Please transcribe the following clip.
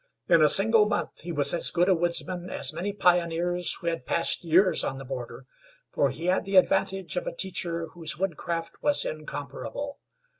In a single month he was as good a woodsman as many pioneers who had passed years on the border, for he had the advantage of a teacher whose woodcraft was incomparable.